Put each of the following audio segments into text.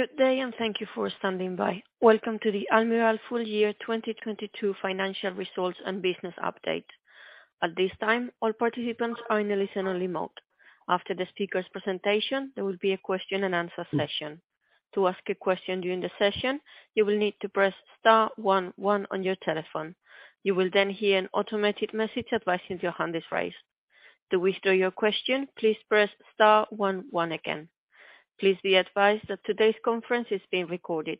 Good day, thank you for standing by. Welcome to the Almirall full year 2022 financial results and business update. At this time, all participants are in a listen-only mode. After the speaker's presentation, there will be a question and answer session. To ask a question during the session, you will need to press Star One One on your telephone. You will hear an automated message advising your hand is raised. To withdraw your question, please press Star One One again. Please be advised that today's conference is being recorded.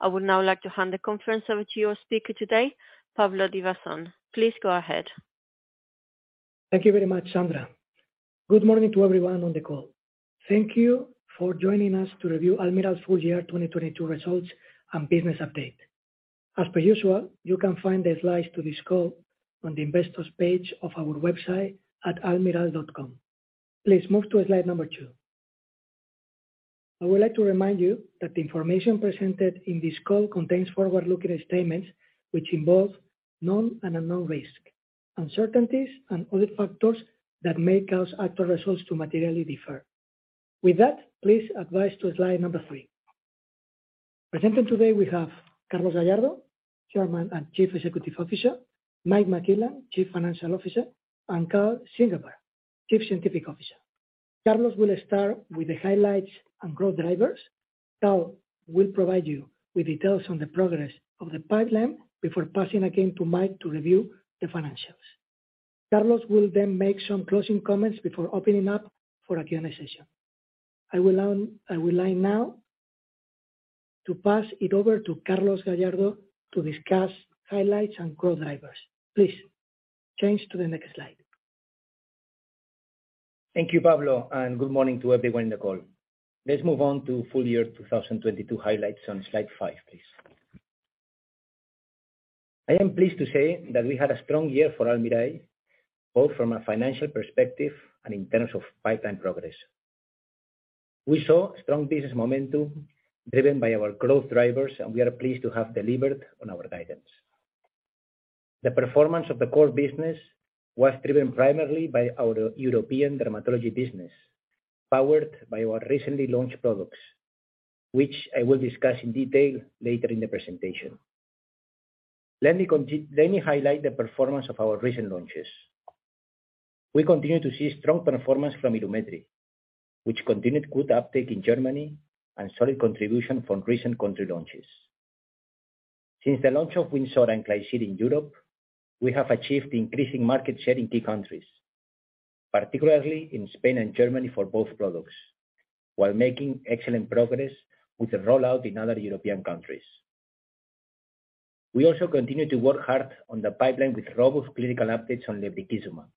I would now like to hand the conference over to your speaker today, Pablo Divasson. Please go ahead. Thank you very much, Sandra. Good morning to everyone on the call. Thank you for joining us to review Almirall's full year 2022 results and business update. As per usual, you can find the slides to this call on the investors page of our website at almirall.com. Please move to slide number two. I would like to remind you that the information presented in this call contains forward-looking statements which involve known and unknown risk, uncertainties, and other factors that may cause actual results to materially differ. Please advise to slide number three. Presenting today we have Carlos Gallardo, Chairman and Chief Executive Officer, Mike McClellan, Chief Financial Officer, and Karl Ziegelbauer, Chief Scientific Officer. Carlos will start with the highlights and growth drivers. Carl will provide you with details on the progress of the pipeline before passing again to Mike to review the financials. Carlos will then make some closing comments before opening up for a Q&A session. I will like now to pass it over to Carlos Gallardo to discuss highlights and growth drivers. Please change to the next slide. Thank you, Pablo. Good morning to everyone on the call. Let's move on to full year 2022 highlights on slide five, please. I am pleased to say that we had a strong year for Almirall, both from a financial perspective and in terms of pipeline progress. We saw strong business momentum driven by our growth drivers, and we are pleased to have delivered on our guidance. The performance of the core business was driven primarily by our European dermatology business, powered by our recently launched products, which I will discuss in detail later in the presentation. Let me highlight the performance of our recent launches. We continue to see strong performance from Ilumetri, which continued good uptake in Germany and solid contribution from recent country launches. Since the launch of Wynzora and Klisyri in Europe, we have achieved increasing market share in key countries, particularly in Spain and Germany for both products, while making excellent progress with the rollout in other European countries. We also continue to work hard on the pipeline with robust clinical updates on lebrikizumab.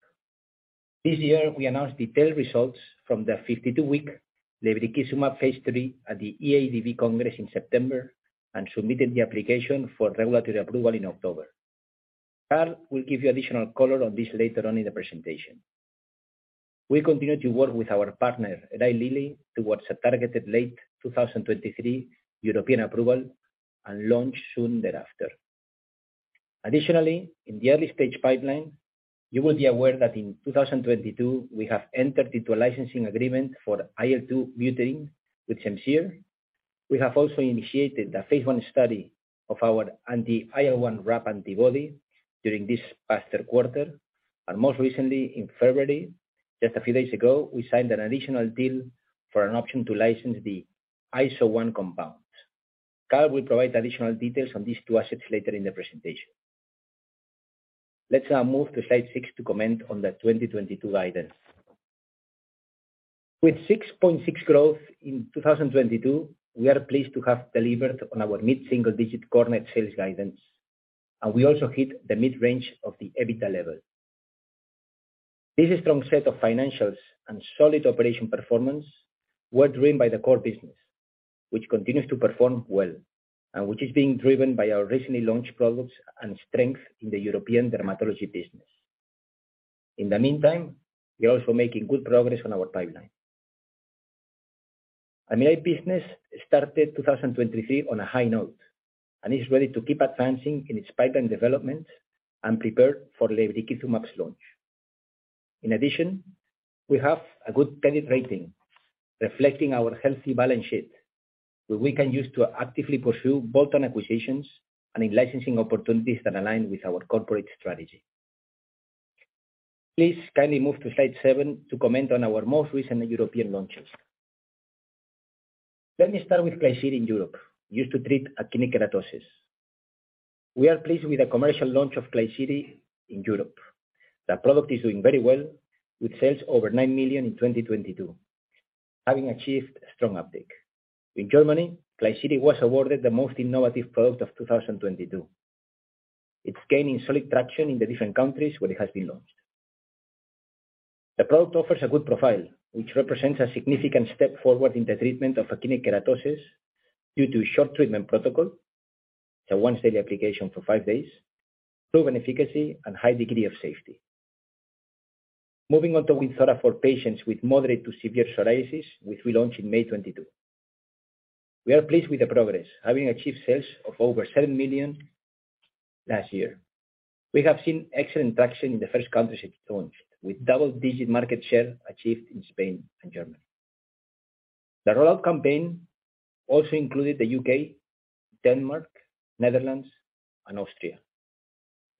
This year, we announced detailed results from the 52-week lebrikizumab phase III at the EADV congress in September and submitted the application for regulatory approval in October. Karl will give you additional color on this later on in the presentation. We continue to work with our partner, Eli Lilly, towards a targeted late 2023 European approval and launch soon thereafter. In the early stage pipeline, you will be aware that in 2022, we have entered into a licensing agreement for IL-2 mutein with Simcere. We have also initiated the phase I study of our anti-IL-1RAP antibody during this past third quarter, and most recently in February, just a few days ago, we signed an additional deal for an option to license the IL-1Ra compound. Karl will provide additional details on these two assets later in the presentation. Let's now move to slide six to comment on the 2022 guidance. With 6.6% growth in 2022, we are pleased to have delivered on our mid-single digit coordinate sales guidance, and we also hit the mid-range of the EBITDA level. This strong set of financials and solid operation performance were driven by the core business, which continues to perform well and which is being driven by our recently launched products and strength in the European dermatology business. In the meantime, we're also making good progress on our pipeline. Almirall business started 2023 on a high note and is ready to keep advancing in its pipeline development and prepare for lebrikizumab's launch. In addition, we have a good credit rating reflecting our healthy balance sheet, that we can use to actively pursue bolt-on acquisitions and in licensing opportunities that align with our corporate strategy. Please kindly move to slide seven to comment on our most recent European launches. Let me start with Klisyri in Europe, used to treat Actinic Keratosis. We are pleased with the commercial launch of Klisyri in Europe. The product is doing very well, with sales over 9 million in 2022, having achieved a strong uptake. In Germany, Klisyri was awarded the most innovative product of 2022. It's gaining solid traction in the different countries where it has been launched. The product offers a good profile, which represents a significant step forward in the treatment of actinic keratosis due to short treatment protocol, a once daily application for five days, proven efficacy, and high degree of safety. Moving on to Wynzora for patients with moderate to severe psoriasis, which we launched in May 2022. We are pleased with the progress, having achieved sales of over 7 million last year, we have seen excellent traction in the first countries it's launched, with double-digit market share achieved in Spain and Germany. The rollout campaign also included the U.K., Denmark, Netherlands, and Austria.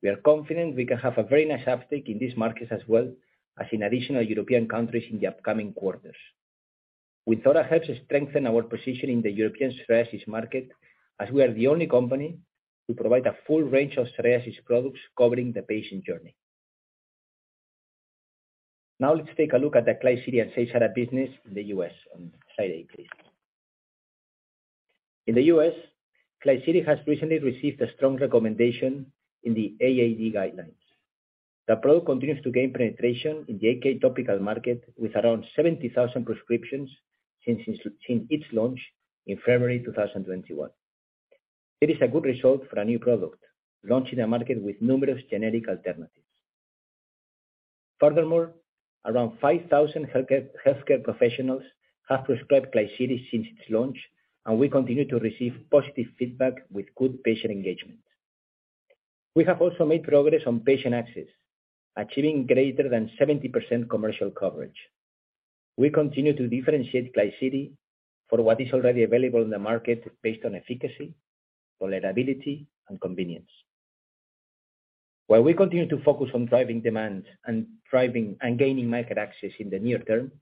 We are confident we can have a very nice uptake in these markets as well as in additional European countries in the upcoming quarters. Ilumetri helps us strengthen our position in the European psoriasis market as we are the only company to provide a full range of psoriasis products covering the patient journey. Let's take a look at the Klisyri and Seysara business in the U.S. on slide eight, please. In the U.S., Klisyri has recently received a strong recommendation in the AAD guidelines. The product continues to gain penetration in the AK topical market with around 70,000 prescriptions since its launch in February 2021. It is a good result for a new product launching a market with numerous generic alternatives. Around 5,000 healthcare professionals have prescribed Klisyri since its launch, and we continue to receive positive feedback with good patient engagement. We have also made progress on patient access, achieving greater than 70% commercial coverage. We continue to differentiate Klisyri for what is already available in the market based on efficacy, tolerability, and convenience. While we continue to focus on driving demand and gaining market access in the near term,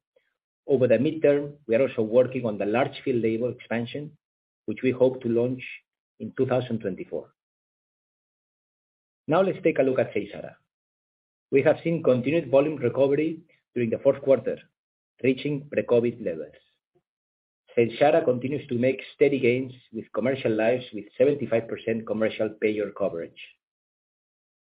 over the mid-term, we are also working on the large field label expansion, which we hope to launch in 2024. Let's take a look at Seysara. We have seen continued volume recovery during the fourth quarter, reaching pre-COVID levels. Seysara continues to make steady gains with commercial lives with 75% commercial payer coverage.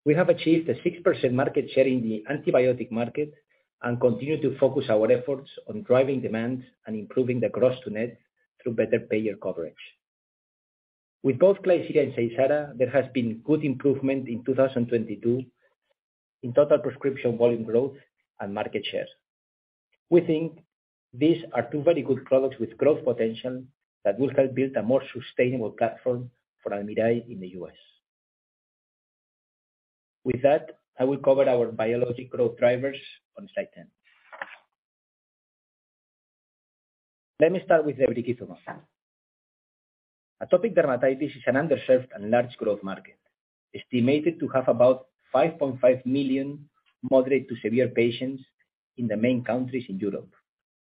We have achieved a 6% market share in the antibiotic market and continue to focus our efforts on driving demand and improving the gross to net through better payer coverage. With both Klisyri and Seysara, there has been good improvement in 2022 in total prescription volume growth and market share. We think these are two very good products with growth potential that will help build a more sustainable platform for Almirall in the US. With that, I will cover our biologic growth drivers on slide 10. Let me start with the lebrikizumab. Atopic Dermatitis is an underserved and large growth market, estimated to have about 5.5 million moderate-to-severe patients in the main countries in Europe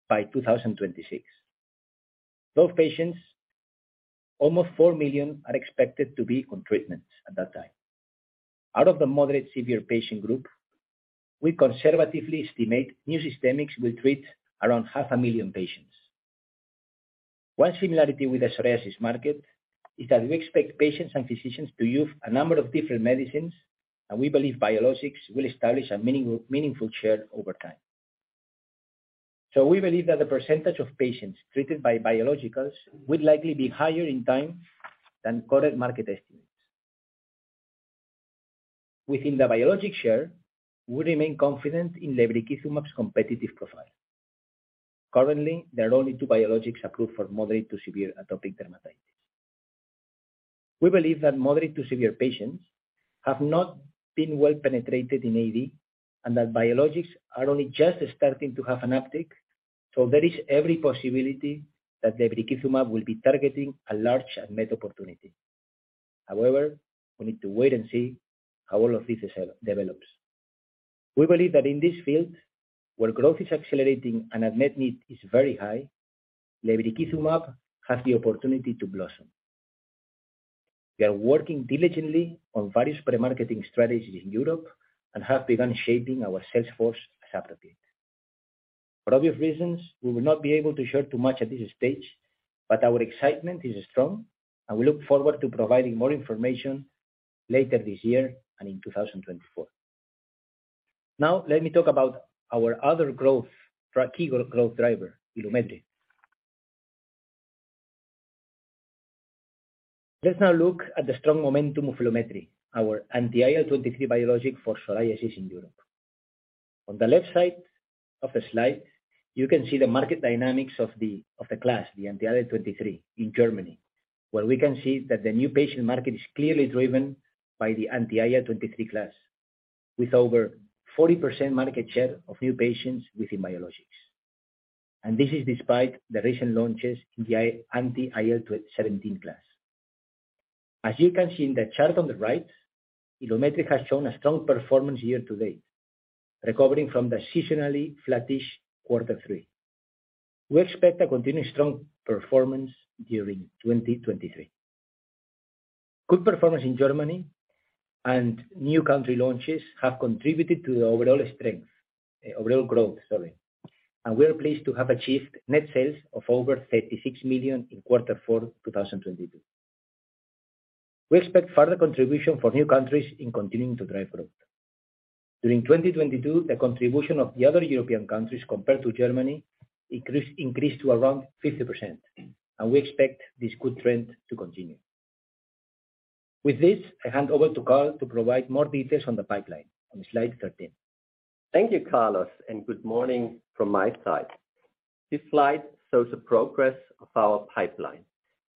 by 2026. Those patients, almost four million, are expected to be on treatment at that time. Out of the moderate-to-severe patient group, we conservatively estimate new systemics will treat around half a million patients. One similarity with the psoriasis market is that we expect patients and physicians to use a number of different medicines, and we believe biologics will establish a meaningful share over time. We believe that the percentage of patients treated by biologicals would likely be higher in time than current market estimates. Within the biologic share, we remain confident in lebrikizumab's competitive profile. Currently, there are only two biologics approved for moderate to severe atopic dermatitis. We believe that moderate to severe patients have not been well penetrated in AD and that biologics are only just starting to have an uptake. There is every possibility that lebrikizumab will be targeting a large unmet opportunity. However, we need to wait and see how all of this develops. We believe that in this field, where growth is accelerating and unmet need is very high, lebrikizumab has the opportunity to blossom. We are working diligently on various pre-marketing strategies in Europe and have begun shaping our sales force as appropriate. For obvious reasons, we will not be able to share too much at this stage. Our excitement is strong, and we look forward to providing more information later this year and in 2024. Now let me talk about our other key growth driver, Ilumetri. Let's now look at the strong momentum of Ilumetri, our anti-IL-23 biologic for psoriasis in Europe. On the left side of the slide, you can see the market dynamics of the class, the anti-IL-23 in Germany, where we can see that the new patient market is clearly driven by the anti-IL-23 class, with over 40% market share of new patients within biologics. This is despite the recent launches in the anti-IL-17 class. As you can see in the chart on the right, Ilumetri has shown a strong performance year to date, recovering from the seasonally flattish quarter three. We expect a continued strong performance during 2023. Good performance in Germany and new country launches have contributed to the overall strength, overall growth, sorry, and we are pleased to have achieved net sales of over 36 million in Q4 2022. We expect further contribution for new countries in continuing to drive growth. During 2022, the contribution of the other European countries compared to Germany increased to around 50%, and we expect this good trend to continue. With this, I hand over to Carl to provide more details on the pipeline on slide 13. Thank you, Carlos. Good morning from my side. This slide shows the progress of our pipeline.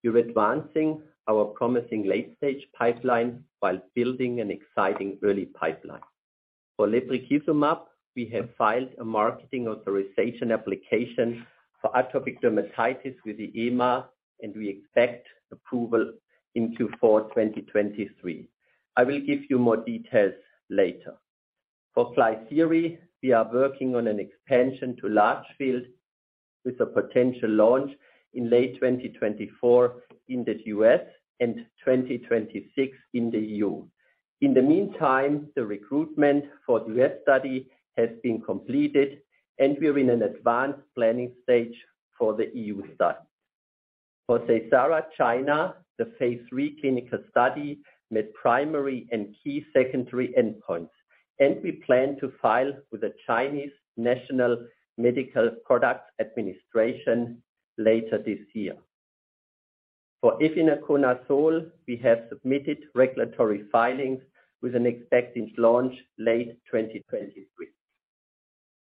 We're advancing our promising late-stage pipeline while building an exciting early pipeline. For lebrikizumab, we have filed a Marketing Authorization Application for atopic dermatitis with the EMA. We expect approval in Q4 2023. I will give you more details later. For Klisyri, we are working on an expansion to large field with a potential launch in late 2024 in the U.S. and 2026 in the EU. In the meantime, the recruitment for the U.S. study has been completed. We are in an advanced planning stage for the EU study. For Seysara China, the phase III clinical study met primary and key secondary endpoints. We plan to file with the National Medical Products Administration later this year. For efinaconazole, we have submitted regulatory filings with an expected launch late 2023.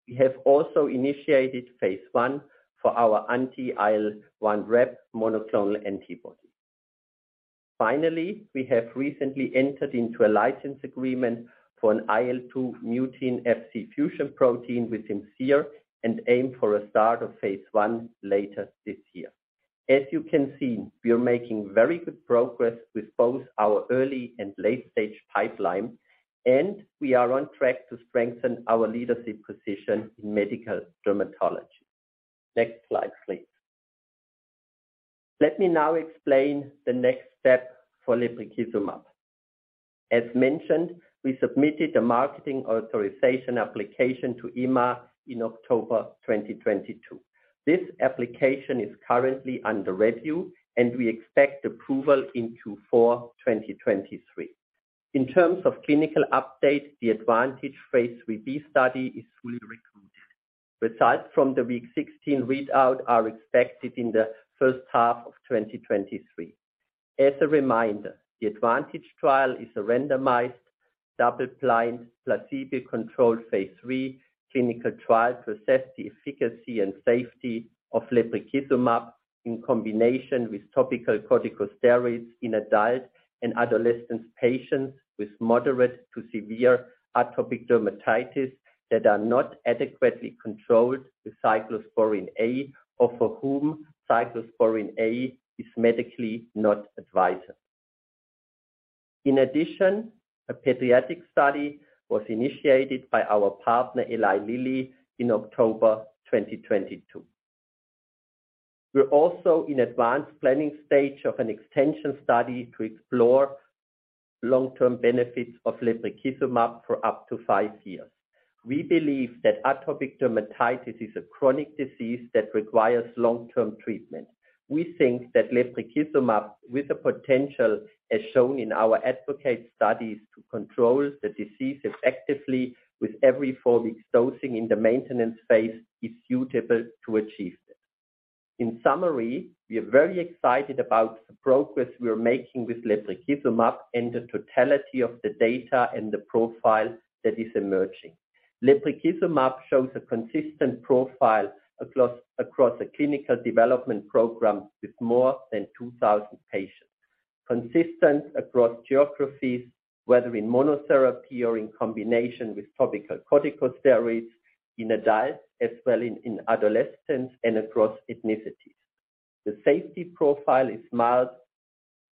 We have also initiated phase I for our anti-IL-1RAP monoclonal antibody. Finally, we have recently entered into a license agreement for an IL-2 mutant Fc fusion protein with Simcere, and aim for a start of phase I later this year. As you can see, we are making very good progress with both our early and late-stage pipeline, and we are on track to strengthen our leadership position in medical dermatology. Next slide, please. Let me now explain the next step for lebrikizumab. As mentioned, we submitted a Marketing Authorization Application to EMA in October 2022. This application is currently under review and we expect approval in Q4 2023. In terms of clinical update, the ADvantage Phase III-B study is fully recruited. Results from the week 16 readout are expected in the first half of 2023. As a reminder, the ADvantage trial is a randomized, double-blind, placebo-controlled Phase III clinical trial to assess the efficacy and safety of lebrikizumab in combination with topical corticosteroids in adult and adolescent patients with moderate to severe atopic dermatitis that are not adequately controlled with cyclosporine A, or for whom cyclosporine A is medically not advised. In addition, a pediatric study was initiated by our partner, Eli Lilly, in October 2022. We're also in advanced planning stage of an extension study to explore long-term benefits of lebrikizumab for up to five years. We believe that atopic dermatitis is a chronic disease that requires long-term treatment. We think that lebrikizumab, with the potential as shown in our ADvocate studies to control the disease effectively with every four weeks dosing in the maintenance phase, is suitable to achieve this. In summary, we are very excited about the progress we are making with lebrikizumab and the totality of the data and the profile that is emerging. lebrikizumab shows a consistent profile across the clinical development program with more than 2,000 patients. Consistent across geographies, whether in monotherapy or in combination with topical corticosteroids in adults, as well in adolescents and across ethnicities. The safety profile is mild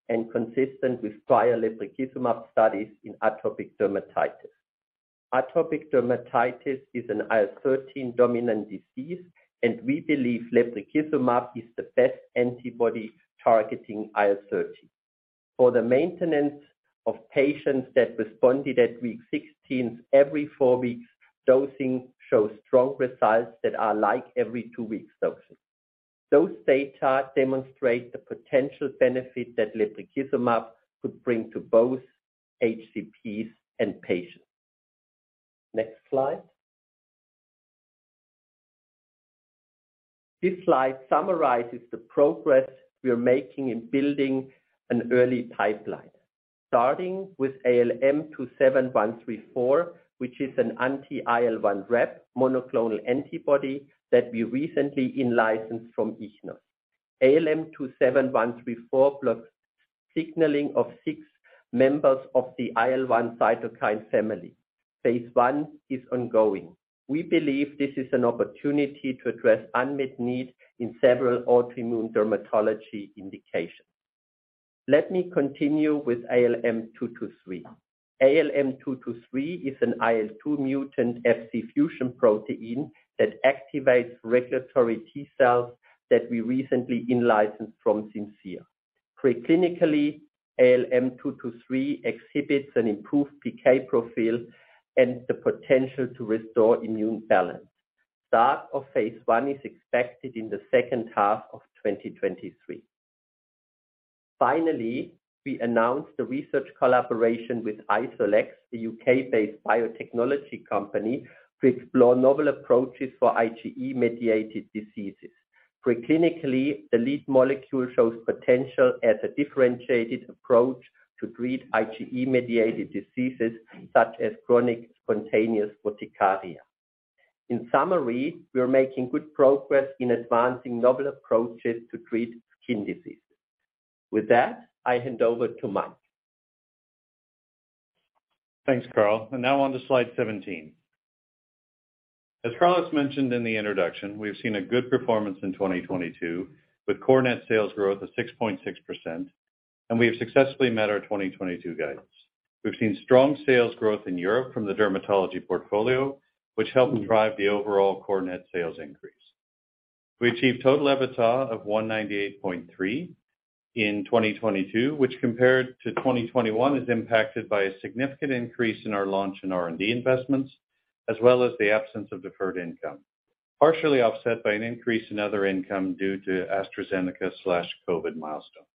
and consistent with prior lebrikizumab studies in atopic dermatitis. Atopic dermatitis is an IL-13 dominant disease, we believe lebrikizumab is the best antibody targeting IL-13. For the maintenance of patients that responded at week 16, every four weeks dosing shows strong results that are like every two weeks dosing. Those data demonstrate the potential benefit that lebrikizumab could bring to both HCPs and patients. Next slide. This slide summarizes the progress we are making in building an early pipeline, starting with ALM27134, which is an anti-IL-1RAP monoclonal antibody that we recently in-licensed from Ichnos. ALM27134 blocks signaling of six members of the IL-1 cytokine family phase I is ongoing. We believe this is an opportunity to address unmet need in several autoimmune dermatology indications. Let me continue with ALM223. ALM223 is an IL-2 mutant FC fusion protein that activates regulatory T cells that we recently in-licensed from Simcere. Preclinically, ALM223 exhibits an improved PK profile and the potential to restore immune balance. Start of phase I is expected in the second half of 2023. Finally, we announced a research collaboration with IsoPlexis, a U.K.-based biotechnology company, to explore novel approaches for IgE-mediated diseases. Preclinically, the lead molecule shows potential as a differentiated approach to treat IgE-mediated diseases such as chronic spontaneous urticaria. In summary, we are making good progress in advancing novel approaches to treat skin disease. With that, I hand over to Mike. Thanks, Karl. Now on to slide 17. As Karl has mentioned in the introduction, we have seen a good performance in 2022, with core net sales growth of 6.6%, and we have successfully met our 2022 guidance. We've seen strong sales growth in Europe from the dermatology portfolio, which helped drive the overall core net sales increase. We achieved total EBITDA of 198.3 in 2022, which compared to 2021 is impacted by a significant increase in our launch in R&D investments, as well as the absence of deferred income, partially offset by an increase in other income due to AstraZeneca/Covis milestones.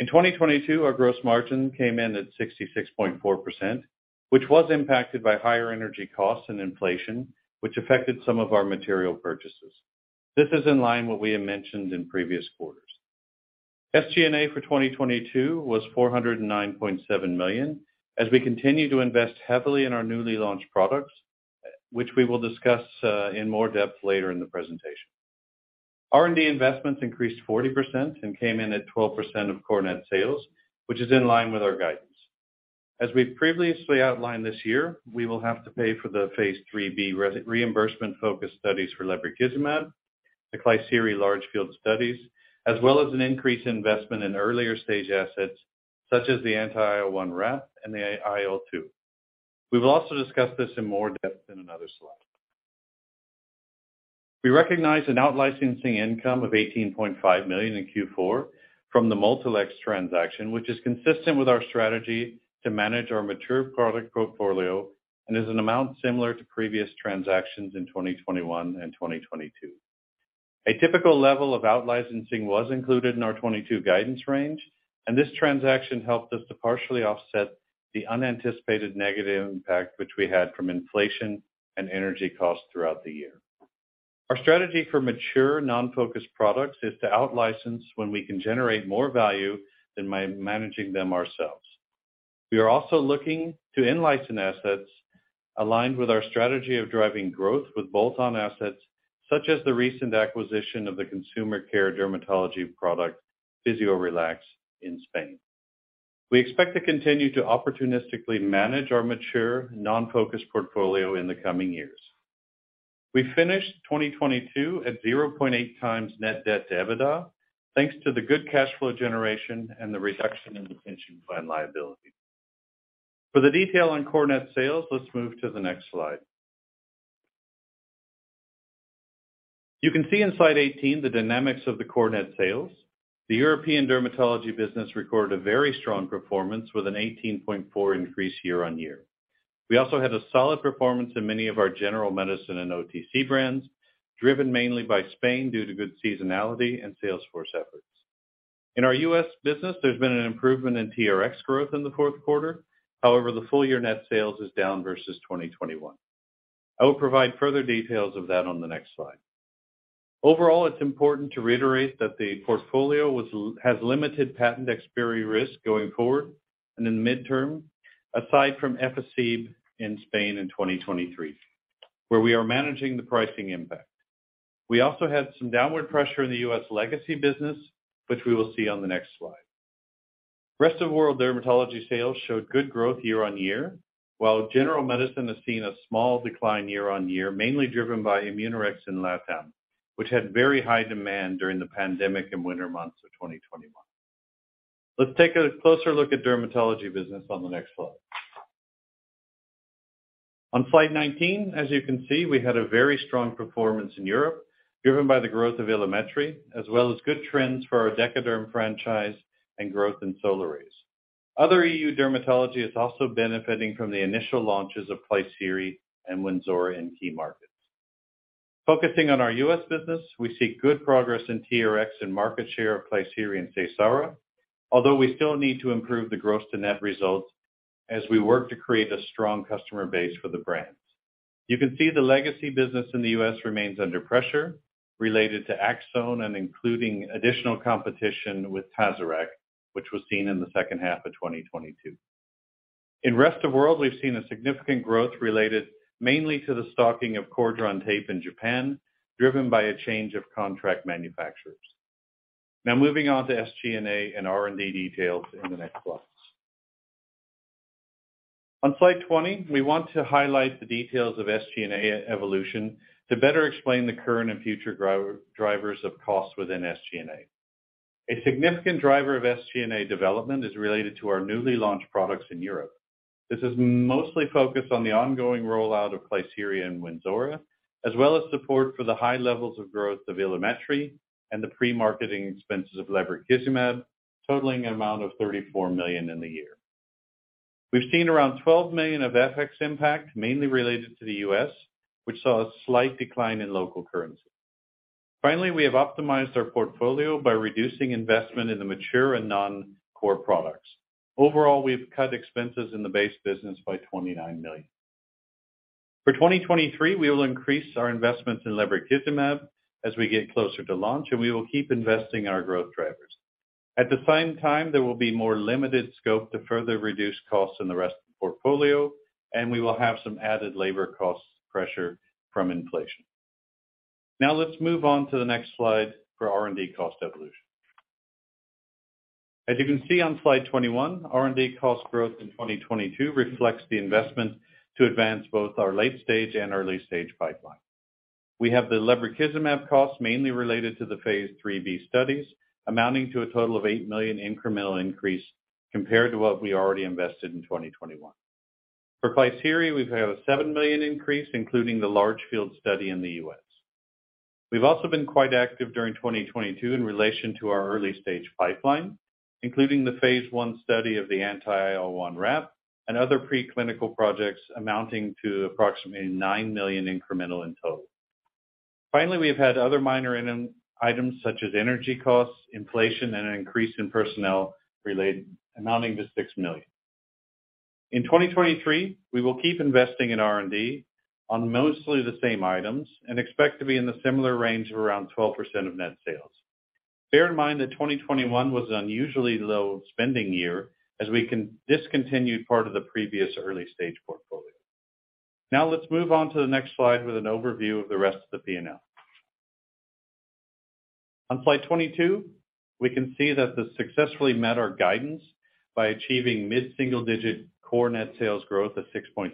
In 2022, our gross margin came in at 66.4%, which was impacted by higher energy costs and inflation, which affected some of our material purchases. This is in line what we have mentioned in previous quarters. SG&A for 2022 was 409.7 million as we continue to invest heavily in our newly launched products, which we will discuss in more depth later in the presentation. R&D investments increased 40% and came in at 12% of core net sales, which is in line with our guidance. As we've previously outlined this year, we will have to pay for the phase III-B reimbursement focus studies for lebrikizumab, the Klisyri large field studies, as well as an increase investment in earlier stage assets such as the anti-IL-1RAP and the IL-2. We will also discuss this in more depth in another slide. We recognize an out licensing income of 18.5 million in Q4 from the Motilex transaction, which is consistent with our strategy to manage our mature product portfolio and is an amount similar to previous transactions in 2021 and 2022. This transaction helped us to partially offset the unanticipated negative impact which we had from inflation and energy costs throughout the year. Our strategy for mature non-focus products is to out license when we can generate more value than managing them ourselves. We are also looking to in-license assets aligned with our strategy of driving growth with bolt-on assets, such as the recent acquisition of the consumer care dermatology product, Physiorelax in Spain. We expect to continue to opportunistically manage our mature non-focus portfolio in the coming years. We finished 2022 at 0.8x net debt to EBITDA, thanks to the good cash flow generation and the reduction in the pension plan liability. For the detail on core net sales, let's move to the next slide. You can see in slide 18 the dynamics of the core net sales. The European dermatology business recorded a very strong performance with an 18.4% increase year-over-year. We also had a solid performance in many of our general medicine and OTC brands, driven mainly by Spain due to good seasonality and sales force efforts. In our U.S. business, there's been an improvement in TRX growth in the fourth quarter. The full year net sales is down versus 2021. I will provide further details of that on the next slide. Overall, it's important to reiterate that the portfolio has limited patent expiry risk going forward and in the midterm, aside from Efficib in Spain in 2023, where we are managing the pricing impact. We also had some downward pressure in the U.S. legacy business, which we will see on the next slide. Rest of world dermatology sales showed good growth year-over-year, while general medicine has seen a small decline year-over-year, mainly driven by Immunorex in Latam, which had very high demand during the pandemic in winter months of 2021. Let's take a closer look at dermatology business on the next slide. On slide 19, as you can see, we had a very strong performance in Europe, driven by the growth of Ilumetri, as well as good trends for our Decaderm franchise and growth in Solaraze. Other EU dermatology is also benefiting from the initial launches of Klisyri and Wynzora in key markets. Focusing on our U.S. business, we see good progress in TRX and market share of Klisyri and Seysara, although we still need to improve the gross to net results as we work to create a strong customer base for the brands. You can see the legacy business in the U.S. remains under pressure related to ACZONE and including additional competition with TAZORAC, which was seen in the second half of 2022. In rest of world, we've seen a significant growth related mainly to the stocking of Cordran Tape in Japan, driven by a change of contract manufacturers. Moving on to SG&A and R&D details in the next slides. On slide 20, we want to highlight the details of SG&A evolution to better explain the current and future drivers of costs within SG&A. A significant driver of SG&A development is related to our newly launched products in Europe. This is mostly focused on the ongoing rollout of Klisyri and Wynzora, as well as support for the high levels of growth of Ilumetri and the pre-marketing expenses of lebrikizumab, totaling an amount of 34 million in the year. We've seen around 12 million of FX impact, mainly related to the U.S., which saw a slight decline in local currency. Finally, we have optimized our portfolio by reducing investment in the mature and non-core products. Overall, we've cut expenses in the base business by 29 million. For 2023, we will increase our investments in lebrikizumab as we get closer to launch, and we will keep investing in our growth drivers. At the same time, there will be more limited scope to further reduce costs in the rest of the portfolio, and we will have some added labor cost pressure from inflation. Now let's move on to the next slide for R&D cost evolution. As you can see on slide 21, R&D cost growth in 2022 reflects the investment to advance both our late-stage and early-stage pipeline. We have the lebrikizumab cost mainly related to the phase III-B studies, amounting to a total of 8 million incremental increase compared to what we already invested in 2021. For Klisyri, we've had a 7 million increase, including the large field study in the U.S. We've also been quite active during 2022 in relation to our early-stage pipeline, including the phase I study of the anti-IL-1RAP and other preclinical projects amounting to approximately 9 million incremental in total. We have had other minor items such as energy costs, inflation, and an increase in personnel related amounting to 6 million. 2023, we will keep investing in R&D on mostly the same items and expect to be in the similar range of around 12% of net sales. Bear in mind that 2021 was unusually low spending year as we discontinued part of the previous early stage portfolio. Let's move on to the next slide with an overview of the rest of the P&L. On slide 22, we can see that this successfully met our guidance by achieving mid-single-digit core net sales growth of 6.6%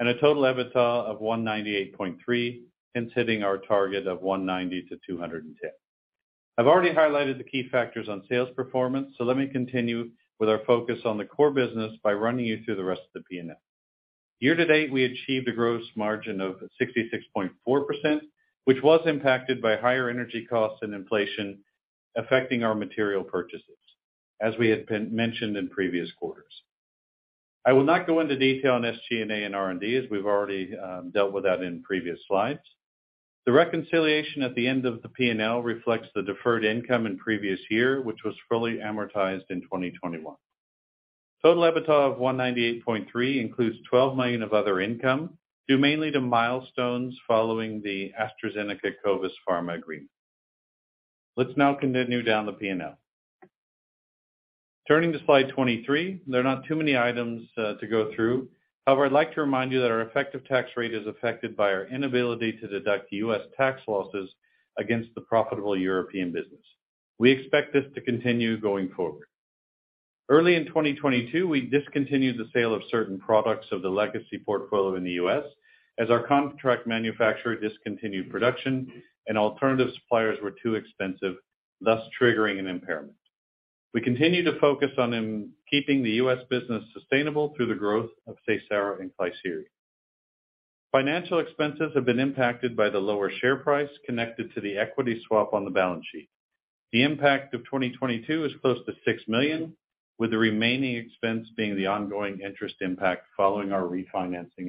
and a total EBITDA of 198.3 million, hence hitting our target of 190 million-210 million. I've already highlighted the key factors on sales performance, let me continue with our focus on the core business by running you through the rest of the P&L. Year to date, we achieved a gross margin of 66.4%, which was impacted by higher energy costs and inflation affecting our material purchases, as we mentioned in previous quarters. I will not go into detail on SG&A and R&D, as we've already dealt with that in previous slides. The reconciliation at the end of the P&L reflects the deferred income in previous year, which was fully amortized in 2021. Total EBITDA of 198.3 includes 12 million of other income, due to milestones following the AstraZeneca Covis Pharma agreement. Let's now continue down the P&L. Turning to slide 23, there are not too many items to go through. I'd like to remind you that our effective tax rate is affected by our inability to deduct U.S. tax losses against the profitable European business. We expect this to continue going forward. Early in 2022, we discontinued the sale of certain products of the legacy portfolio in the U.S. as our contract manufacturer discontinued production and alternative suppliers were too expensive, thus triggering an impairment. We continue to focus on keeping the U.S. business sustainable through the growth of Seysara and Klisyri. Financial expenses have been impacted by the lower share price connected to the equity swap on the balance sheet. The impact of 2022 is close to 6 million, with the remaining expense being the ongoing interest impact following our refinancing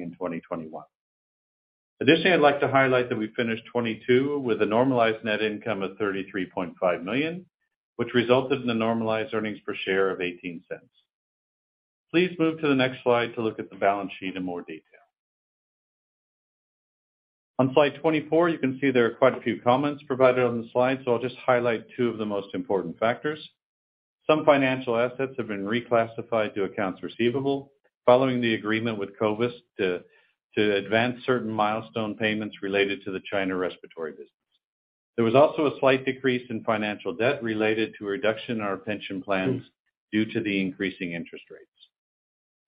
in 2021. I'd like to highlight that we finished 2022 with a normalized net income of 33.5 million, which resulted in the normalized earnings per share of 0.18. Please move to the next slide to look at the balance sheet in more detail. On slide 24, you can see there are quite a few comments provided on the slide. I'll just highlight two of the most important factors. Some financial assets have been reclassified to accounts receivable following the agreement with Covis to advance certain milestone payments related to the China respiratory business. There was also a slight decrease in financial debt related to a reduction in our pension plans due to the increasing interest rates.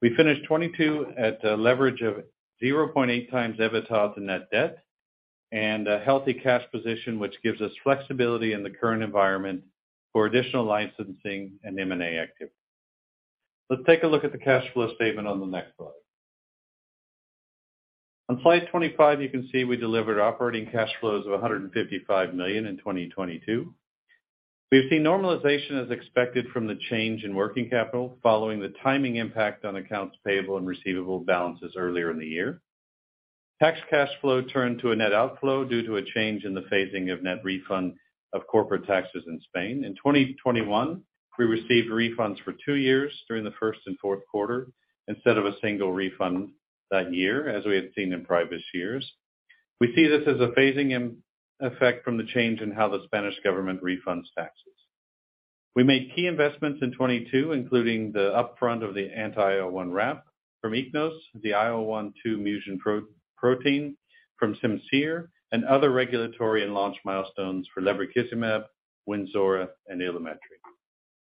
We finished 2022 at a leverage of 0.8x EBITDA to net debt and a healthy cash position, which gives us flexibility in the current environment for additional licensing and M&A activity. Let's take a look at the cash flow statement on the next slide. On slide 25, you can see we delivered operating cash flows of 155 million in 2022. We've seen normalization as expected from the change in working capital following the timing impact on accounts payable and receivable balances earlier in the year. Tax cash flow turned to a net outflow due to a change in the phasing of net refund of corporate taxes in Spain. In 2021, we received refunds for two years during the first and fourth quarter instead of a single refund that year, as we had seen in previous years. We see this as a phasing in effect from the change in how the Spanish government refunds taxes. We made key investments in 2022, including the upfront of the anti-IL-1RAP from Ichnos, the IL-2 mutant fusion protein from Simcere, and other regulatory and launch milestones for lebrikizumab, Wynzora, and Ilumetri.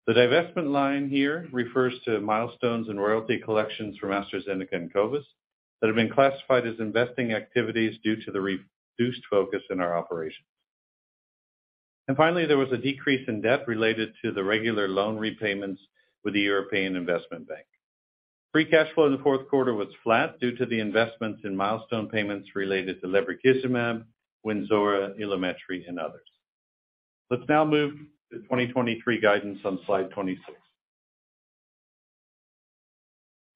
The divestment line here refers to milestones and royalty collections from AstraZeneca and Covis that have been classified as investing activities due to the reduced focus in our operations. Finally, there was a decrease in debt related to the regular loan repayments with the European Investment Bank. Free cash flow in the fourth quarter was flat due to the investments in milestone payments related to lebrikizumab, Wynzora, Ilumetri, and others. Let's now move to 2023 guidance on slide 26.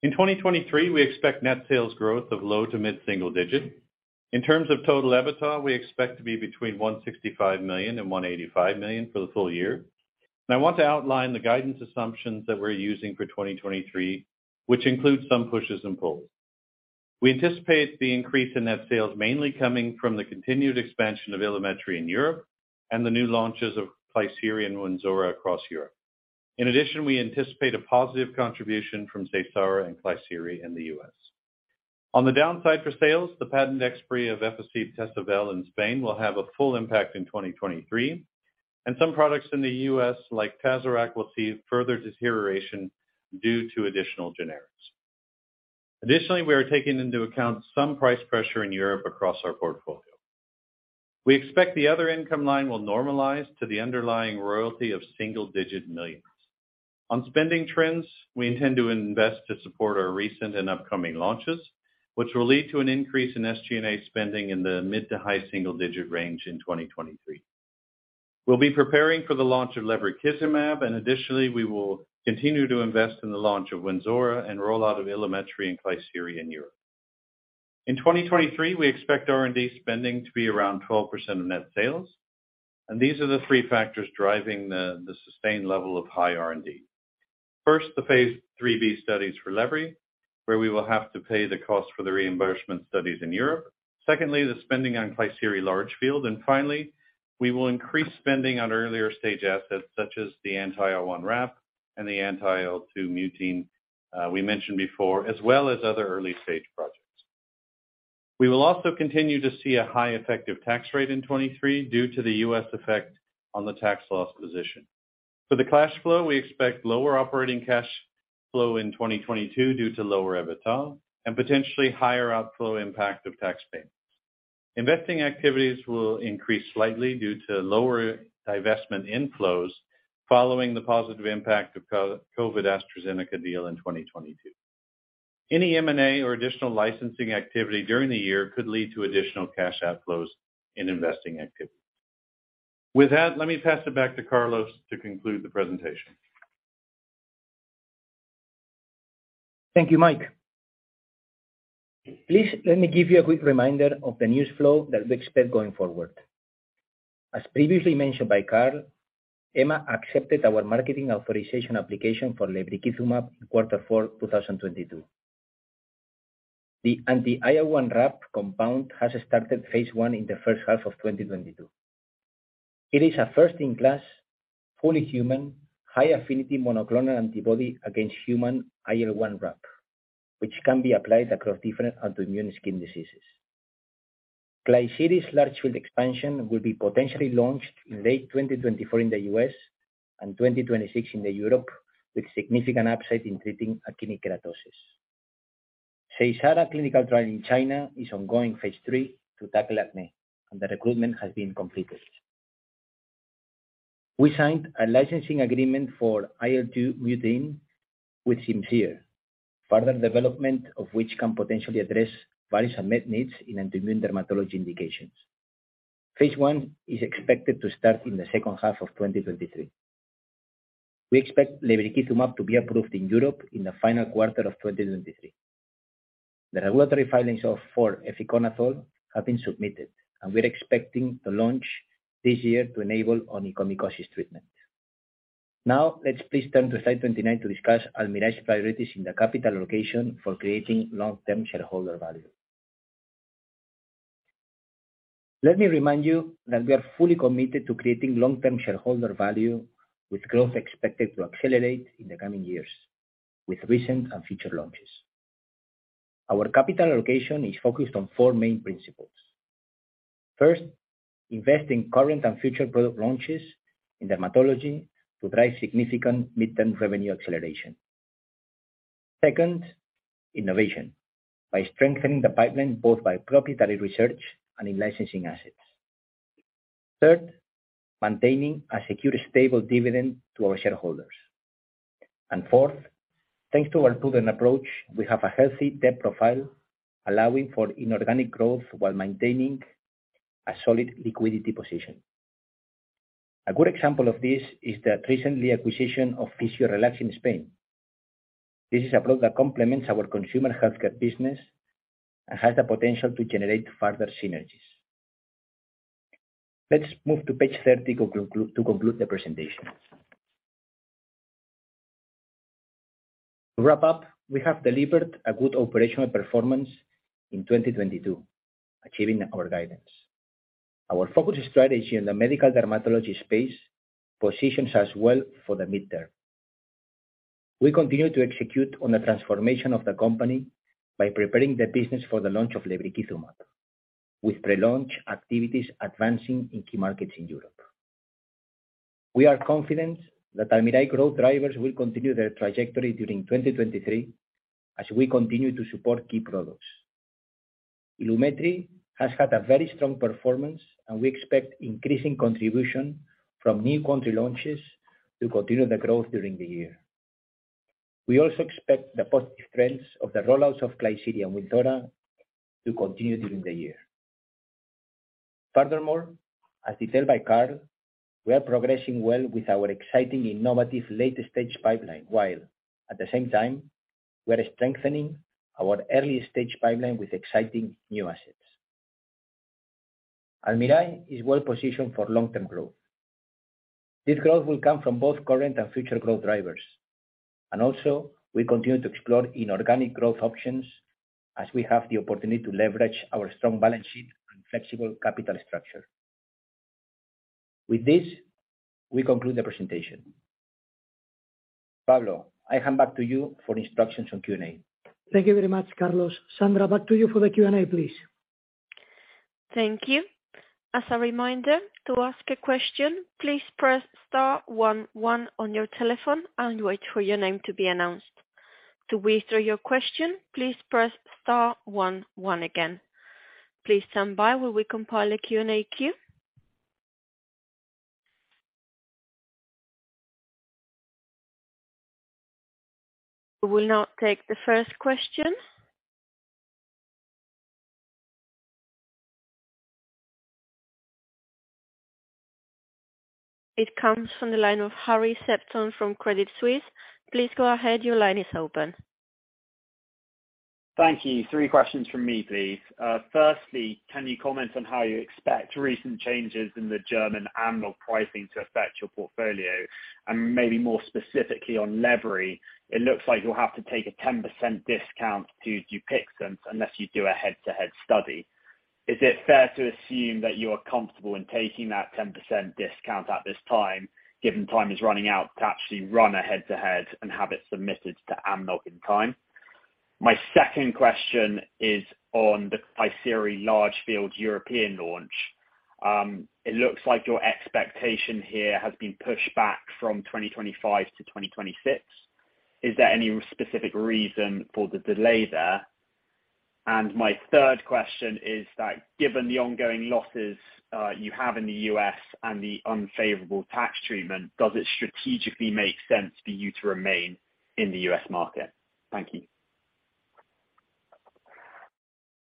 In 2023, we expect net sales growth of low to mid-single digit. In terms of total EBITDA, we expect to be between 165 million and 185 million for the full year. I want to outline the guidance assumptions that we're using for 2023, which includes some pushes and pulls. We anticipate the increase in net sales mainly coming from the continued expansion of Ilumetri in Europe and the new launches of Klisyri and Wynzora across Europe. In addition, we anticipate a positive contribution from Seysara and Klisyri in the U.S. On the downside for sales, the patent expiry of Efficib Tesavel in Spain will have a full impact in 2023, and some products in the U.S. like TAZORAC will see further deterioration due to additional generics. Additionally, we are taking into account some price pressure in Europe across our portfolio. We expect the other income line will normalize to the underlying royalty of single-digit millions. On spending trends, we intend to invest to support our recent and upcoming launches, which will lead to an increase in SG&A spending in the mid-to-high single-digit range in 2023. We'll be preparing for the launch of lebrikizumab, additionally, we will continue to invest in the launch of Wynzora and rollout of Ilumetri and Klisyri in Europe. In 2023, we expect R&D spending to be around 12% of net sales, these are the three factors driving the sustained level of high R&D. First, the Phase III-B studies for Lebri, where we will have to pay the cost for the reimbursement studies in Europe. Secondly, the spending on Klisyri large field. Finally, we will increase spending on earlier-stage assets such as the anti-IL-1RAP and the anti-IL-2 mutein we mentioned before, as well as other early-stage projects. We will also continue to see a high effective tax rate in 23 due to the U.S. effect on the tax loss position. For the cash flow, we expect lower operating cash flow in 2022 due to lower EBITDA and potentially higher outflow impact of tax payments. Investing activities will increase slightly due to lower divestment inflows following the positive impact of Covis AstraZeneca deal in 2022. Any M&A or additional licensing activity during the year could lead to additional cash outflows in investing activity. With that, let me pass it back to Carlos to conclude the presentation. Thank you, Mike. Please let me give you a quick reminder of the news flow that we expect going forward. As previously mentioned by Karl, EMA accepted our Marketing Authorization Application for lebrikizumab in Q4 2022. The anti-IL-1RAP compound has started phase I in the first half of 2022. It is a first-in-class, fully human, high-affinity monoclonal antibody against human IL-1RAP, which can be applied across different autoimmune skin diseases. Klisyri's large field expansion will be potentially launched in late 2024 in the U.S. and 2026 in Europe, with significant upside in treating actinic keratosis. Seysara clinical trial in China is ongoing phase III to tackle acne, and the recruitment has been completed. We signed a licensing agreement for IL-2 mutein with Simcere, further development of which can potentially address various unmet needs in autoimmune dermatology indications. Phase 1 is expected to start in the second half of 2023. We expect lebrikizumab to be approved in Europe in the final quarter of 2023. The regulatory filings for efinaconazole have been submitted, and we're expecting to launch this year to enable onychomycosis treatment. Let's please turn to slide 29 to discuss Almirall's priorities in the capital allocation for creating long-term shareholder value. Let me remind you that we are fully committed to creating long-term shareholder value with growth expected to accelerate in the coming years with recent and future launches. Our capital allocation is focused on four main principles. First, invest in current and future product launches in dermatology to drive significant mid-term revenue acceleration. Second, innovation by strengthening the pipeline, both by proprietary research and in-licensing assets. Third, maintaining a secure, stable dividend to our shareholders. Fourth, thanks to our prudent approach, we have a healthy debt profile, allowing for inorganic growth while maintaining a solid liquidity position. A good example of this is the recently acquisition of Physiorelax in Spain. This is a product that complements our consumer health care business and has the potential to generate further synergies. Let's move to page 30 to conclude the presentation. To wrap up, we have delivered a good operational performance in 2022, achieving our guidance. Our focused strategy in the medical dermatology space positions us well for the mid-term. We continue to execute on the transformation of the company by preparing the business for the launch of lebrikizumab, with pre-launch activities advancing in key markets in Europe. We are confident that Almirall growth drivers will continue their trajectory during 2023 as we continue to support key products. Ilumetri has had a very strong performance, and we expect increasing contribution from new country launches to continue the growth during the year. We also expect the positive trends of the rollouts of Klisyri and Wynzora to continue during the year. As detailed by Karl, we are progressing well with our exciting innovative late-stage pipeline, while at the same time, we are strengthening our early-stage pipeline with exciting new assets. Almirall is well positioned for long-term growth. This growth will come from both current and future growth drivers, and also we continue to explore inorganic growth options as we have the opportunity to leverage our strong balance sheet and flexible capital structure. With this, we conclude the presentation. Pablo, I hand back to you for instructions on Q&A. Thank you very much, Carlos. Sandra, back to you for the Q&A, please. Thank you. As a reminder, to ask a question, please press Star One One on your telephone and wait for your name to be announced. To withdraw your question, please press Star One One again. Please stand by while we compile a Q&A queue. We will now take the first question. It comes from the line of Harry Sephton from Credit Suisse. Please go ahead. Your line is open. Thank you. Three questions from me, please. Firstly, can you comment on how you expect recent changes in the German AMNOG pricing to affect your portfolio? Maybe more specifically on Lebri, it looks like you'll have to take a 10% discount to Dupixent unless you do a head-to-head study. Is it fair to assume that you are comfortable in taking that 10% discount at this time, given time is running out to actually run a head-to-head and have it submitted to AMNOG in time? My second question is on the Klisyri large field European launch. It looks like your expectation here has been pushed back from 2025 to 2026. Is there any specific reason for the delay there? My third question is that given the ongoing losses, you have in the U.S. and the unfavorable tax treatment, does it strategically make sense for you to remain in the U.S. market? Thank you.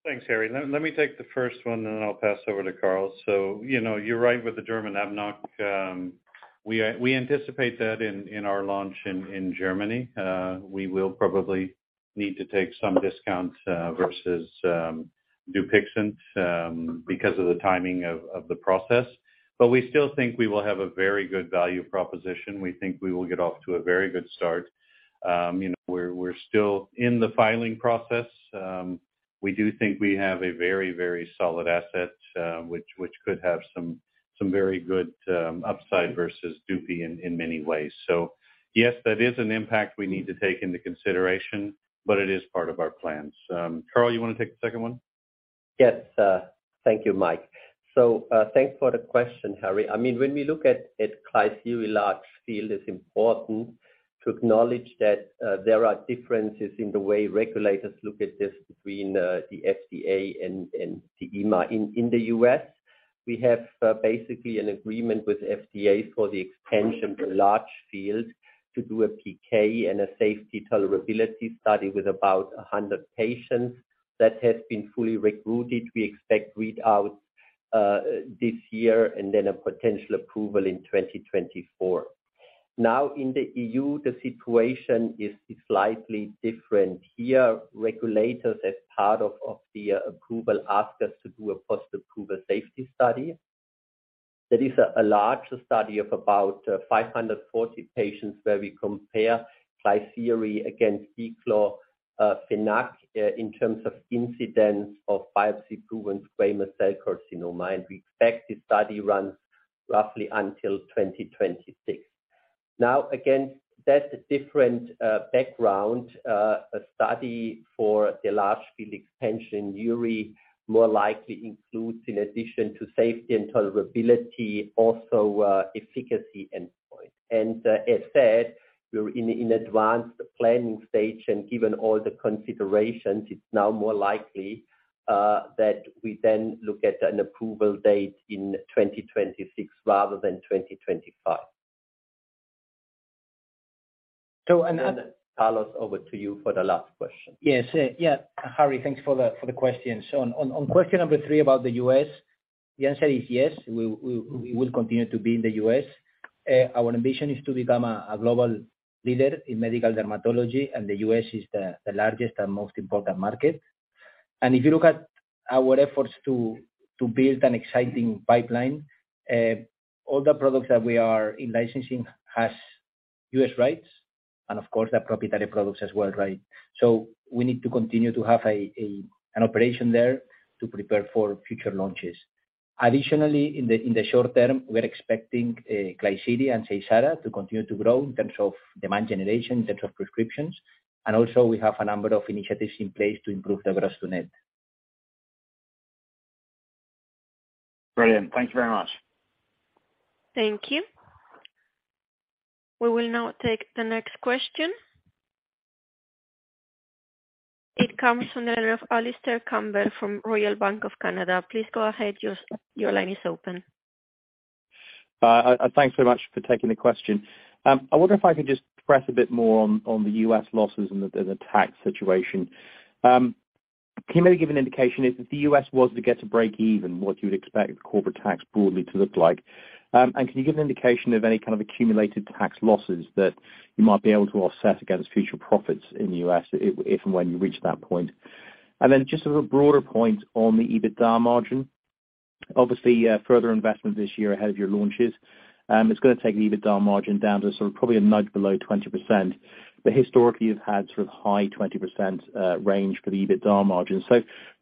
Thanks, Harry. Let me take the first one, then I'll pass over to Karl. You know, you're right with the German AMNOG. We anticipate that in our launch in Germany. We will probably need to take some discounts versus Dupixent because of the timing of the process. We still think we will have a very good value proposition. We think we will get off to a very good start. You know, we're still in the filing process. We do think we have a very solid asset which could have some very good upside versus Dupi in many ways. Yes, that is an impact we need to take into consideration, but it is part of our plans. Karl, you wanna take the second one? Yes. Thank you, Mike. Thanks for the question, Harry. I mean, when we look at Klisyri large field, it's important to acknowledge that there are differences in the way regulators look at this between the FDA and the EMA. In the U.S., we have basically an agreement with FDA for the extension to large field to do a PK and a safety tolerability study with about 100 patients that has been fully recruited. We expect read out this year and then a potential approval in 2024. In the EU, the situation is slightly different. Here, regulators, as part of the approval, ask us to do a post-approval safety study. That is a larger study of about, 540 patients where we compare Klisyri against diclofenac, in terms of incidence of biopsy-proven squamous cell carcinoma. We expect the study runs roughly until 2026. Again, that's a different, background, study for the large field expansion. Uri more likely includes, in addition to safety and tolerability, also, efficacy endpoint. As said, we're in advanced planning stage. Given all the considerations, it's now more likely, that we then look at an approval date in 2026 rather than 2025. Another. Carlos, over to you for the last question. Yes. Yeah, Harry, thanks for the question. On question number three about the U.S., the answer is yes, we will continue to be in the U.S. Our ambition is to become a global leader in medical dermatology, and the U.S. is the largest and most important market. If you look at our efforts to build an exciting pipeline, all the products that we are in licensing has U.S. rights and of course the proprietary products as well, right? We need to continue to have an operation there to prepare for future launches. Additionally, in the short term, we are expecting Klisyri and Seysara to continue to grow in terms of demand generation, in terms of prescriptions. Also we have a number of initiatives in place to improve the gross to net. Brilliant. Thank you very much. Thank you. We will now take the next question. It comes from the line of Alistair Campbell from Royal Bank of Canada. Please go ahead. Your line is open. Thanks very much for taking the question. I wonder if I could just press a bit more on the U.S. losses and the tax situation. Can you maybe give an indication if the U.S. was to get to breakeven, what you would expect the corporate tax broadly to look like? Can you give an indication of any kind of accumulated tax losses that you might be able to offset against future profits in the U.S. if and when you reach that point? Just as a broader point on the EBITDA margin. Obviously, further investment this year ahead of your launches, it's gonna take an EBITDA margin down to sort of probably a nudge below 20%. Historically, you've had sort of high 20% range for the EBITDA margin.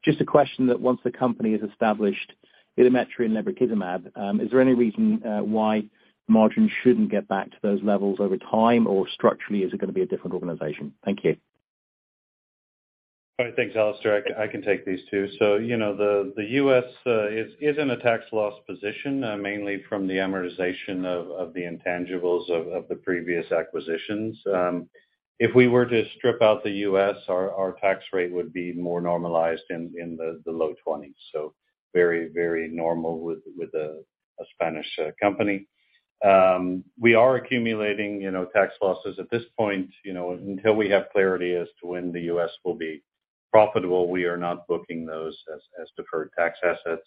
Just a question that once the company has established Ilumetri and lebrikizumab, is there any reason why margins shouldn't get back to those levels over time? Structurally, is it gonna be a different organization? Thank you. All right. Thanks, Alistair. I can take these two. You know, the U.S. is in a tax loss position, mainly from the amortization of the intangibles of the previous acquisitions. If we were to strip out the U.S., our tax rate would be more normalized in the low 20s. Very normal with a Spanish company. We are accumulating, you know, tax losses at this point, you know. Until we have clarity as to when the U.S. will be profitable, we are not booking those as deferred tax assets.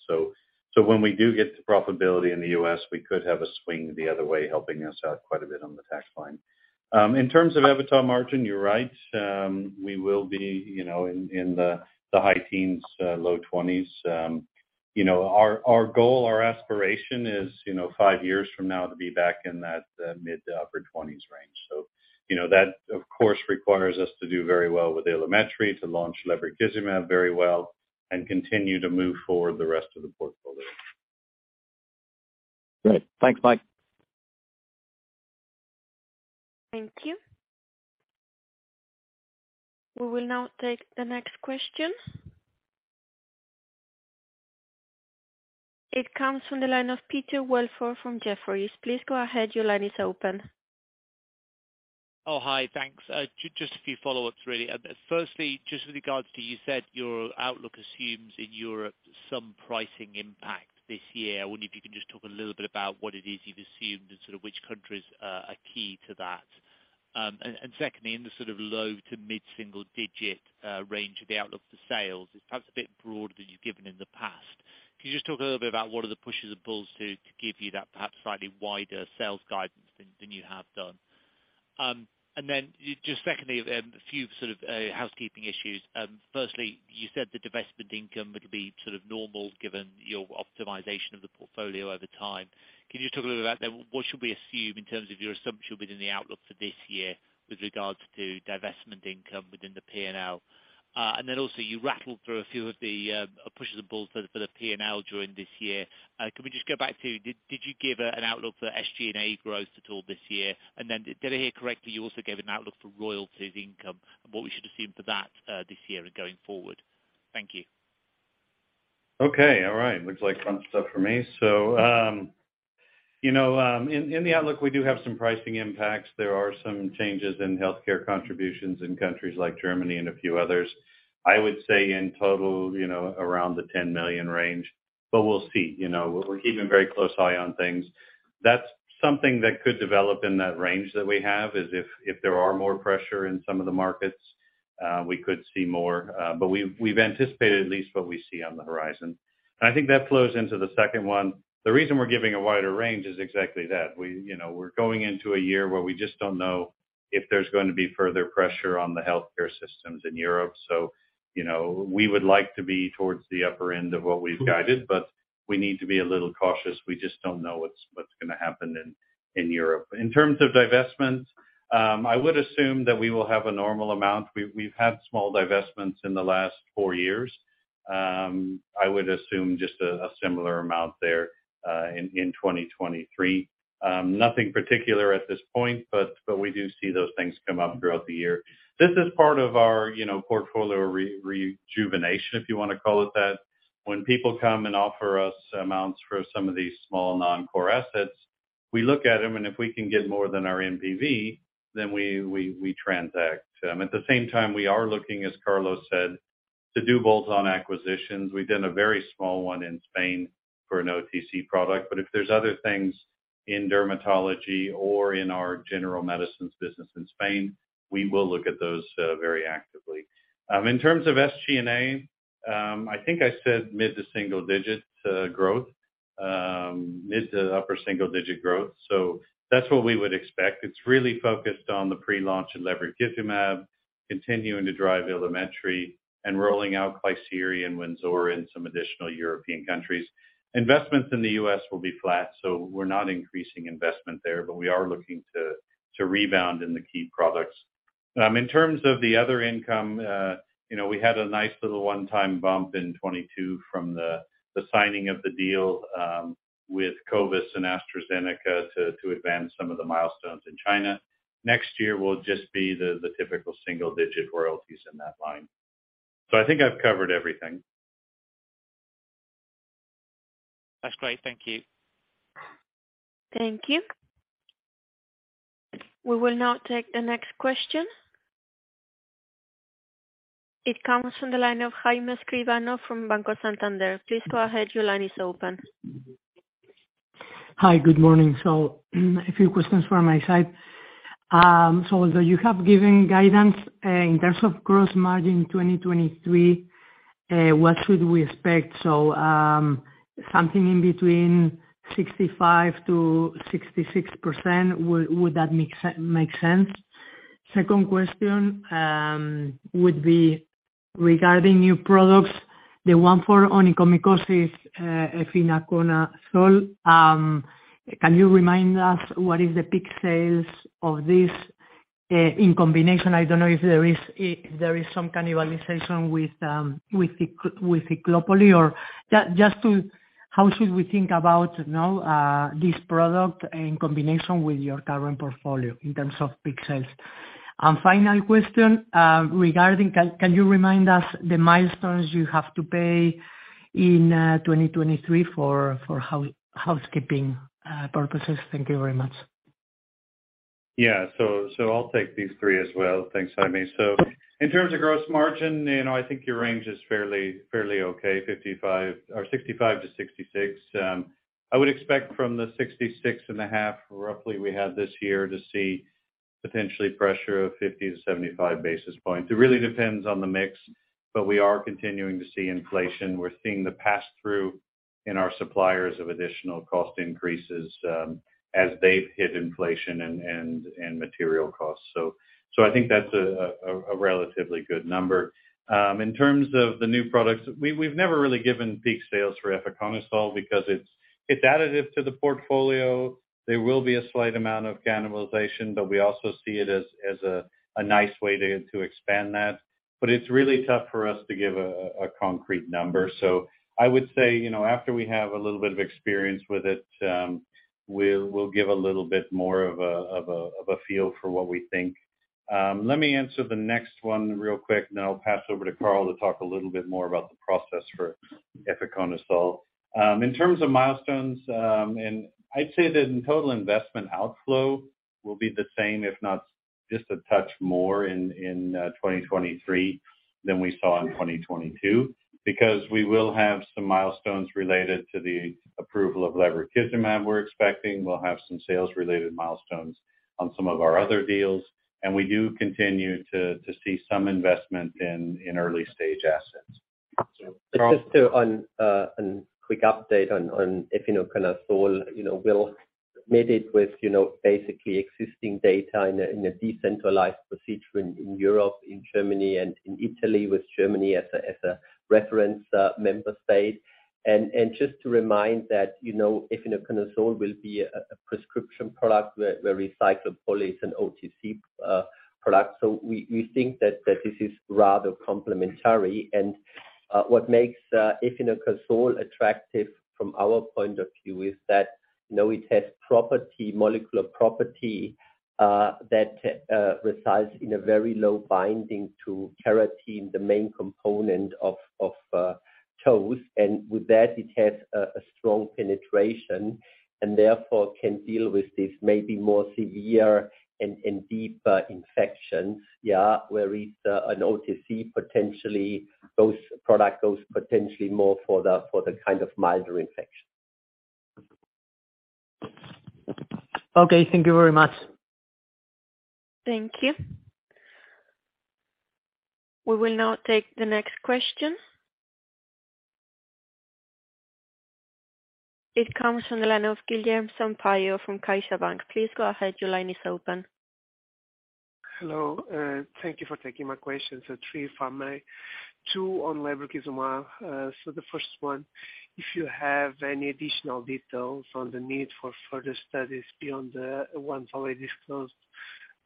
When we do get to profitability in the U.S., we could have a swing the other way, helping us out quite a bit on the tax line. In terms of EBITDA margin, you're right, we will be, you know, in the high teens, low 20s. You know, our goal, our aspiration is, you know, five years from now to be back in that mid to upper 20s range. You know, that, of course, requires us to do very well with Ilumetri, to launch lebrikizumab very well, and continue to move forward the rest of the portfolio. Great. Thanks, Mike. Thank you. We will now take the next question. It comes from the line of Peter Welford from Jefferies. Please go ahead. Your line is open. Hi. Thanks. Just a few follow-ups, really. Firstly, just with regards to, you said your outlook assumes in Europe some pricing impact this year. I wonder if you can just talk a little bit about what it is you've assumed and sort of which countries are key to that? Secondly, in the sort of low to mid-single digit range of the outlook for sales is perhaps a bit broader than you've given in the past. Can you just talk a little bit about what are the pushes and pulls to give you that perhaps slightly wider sales guidance than you have done? Then just secondly, a few sort of housekeeping issues. Firstly, you said the divestment income would be sort of normal given your optimization of the portfolio over time. Can you talk a little about that? What should we assume in terms of your assumption within the outlook for this year with regards to divestment income within the P&L? Also you rattled through a few of the pushes and pulls for the P&L during this year. Can we just go back to did you give an outlook for SG&A growth at all this year? Did I hear correctly, you also gave an outlook for royalties income, and what we should assume for that this year and going forward? Thank you. Okay. All right. Looks like fun stuff for me. you know, in the outlook, we do have some pricing impacts. There are some changes in healthcare contributions in countries like Germany and a few others. I would say in total, you know, around the 10 million range, but we'll see, you know. We're keeping a very close eye on things. That's something that could develop in that range that we have, is if there are more pressure in some of the markets, we could see more. But we've anticipated at least what we see on the horizon. I think that flows into the second one. The reason we're giving a wider range is exactly that. We, you know, we're going into a year where we just don't know if there's going to be further pressure on the healthcare systems in Europe. You know, we would like to be towards the upper end of what we've guided, but we need to be a little cautious. We just don't know what's gonna happen in Europe. In terms of divestments, I would assume that we will have a normal amount. We've had small divestments in the last four years. I would assume just a similar amount there in 2023. Nothing particular at this point, but we do see those things come up throughout the year. This is part of our, you know, portfolio rejuvenation, if you wanna call it that. When people come and offer us amounts for some of these small non-core assets, we look at them, and if we can get more than our NPV, then we transact. At the same time, we are looking, as Carlos said, to do bolt-on acquisitions. We've done a very small one in Spain for an OTC product, but if there's other things in dermatology or in our general medicines business in Spain, we will look at those very actively. In terms of SG&A, I think I said mid to single-digit growth, mid to upper single-digit growth. That's what we would expect. It's really focused on the pre-launch of lebrikizumab, continuing to drive Ilumetri, and rolling out Klisyri and Wynzora in some additional European countries. Investments in the U.S. will be flat, so we're not increasing investment there, but we are looking to rebound in the key products. In terms of the other income, you know, we had a nice little one-time bump in 2022 from the signing of the deal with Covis and AstraZeneca to advance some of the milestones in China. Next year will just be the typical single-digit royalties in that line. I think I've covered everything. That's great. Thank you. Thank you. We will now take the next question. It comes from the line of Jaime Escribano from Banco Santander. Please go ahead. Your line is open. Hi. Good morning. A few questions from my side. Although you have given guidance, in terms of gross margin 2023, what should we expect? Something in between 65%-66%, would that make sense? Second question, would be regarding new products, the one for onychomycosis, efinaconazole. Can you remind us what is the peak sales of this in combination? I don't know if there is some cannibalization with the, with the Klisyri or just to how should we think about, you know, this product in combination with your current portfolio in terms of peak sales. Final question, regarding can you remind us the milestones you have to pay in 2023 for housekeeping purposes? Thank you very much. I'll take these three as well. Thanks, Jaime. In terms of gross margin, you know, I think your range is fairly okay, 55% or 65%-66%. I would expect from the 66.5% roughly we had this year to see potentially pressure of 50-75 basis points. It really depends on the mix, but we are continuing to see inflation. We're seeing the passthrough in our suppliers of additional cost increases as they've hit inflation and material costs. I think that's a relatively good number. In terms of the new products, we've never really given peak sales for efinaconazole because it's additive to the portfolio. There will be a slight amount of cannibalization, but we also see it as a nice way to expand that. It's really tough for us to give a concrete number. I would say, you know, after we have a little bit of experience with it, we'll give a little bit more of a feel for what we think. Let me answer the next one real quick, and then I'll pass over to Karl to talk a little bit more about the process for efinaconazole. In terms of milestones, and I'd say that in total investment outflow will be the same if not just a touch more in 2023 than we saw in 2022, because we will have some milestones related to the approval of lebrikizumab we're expecting. We'll have some sales-related milestones on some of our other deals, and we do continue to see some investment in early-stage assets. Karl. Just to on quick update on efinaconazole. You know, we'll made it with, you know, basically existing data in a decentralized procedure in Europe, in Germany, and in Italy, with Germany as a reference member state. Just to remind that, you know, efinaconazole will be a prescription product where Revidol and OTC product. We think that this is rather complementary. What makes efinaconazole attractive from our point of view is that, you know, it has molecular property that resides in a very low binding to keratin, the main component of toes. With that it has a strong penetration and therefore can deal with this maybe more severe and deeper infections. An OTC potentially those product goes potentially more for the kind of milder infection. Okay. Thank you very much. Thank you. We will now take the next question. It comes from the line of Guilherme Sampaio from CaixaBank. Please go ahead. Your line is open. Hello, thank you for taking my questions. Three from me, two on lebrikizumab. The first one, if you have any additional details on the need for further studies beyond the ones already disclosed,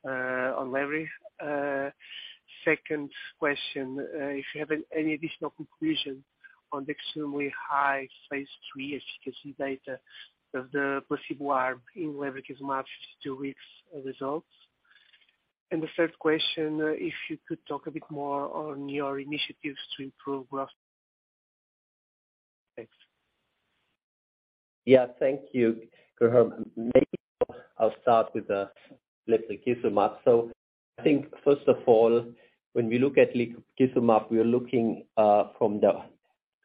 on leri. Second question, if you have any additional conclusion on the extremely high phase III efficacy data of the placebo arm in lebrikizumab 52 weeks results. The third question, if you could talk a bit more on your initiatives to improve growth. Thanks. Yeah, thank you, Guilherme. Maybe I'll start with the lebrikizumab. I think first of all, when we look at lebrikizumab, we are looking from the